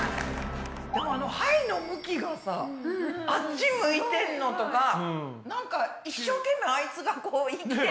でもあの胚の向きがさあっち向いてんのとかなんか一生懸命あいつがこう生きてる感じ。